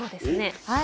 はい。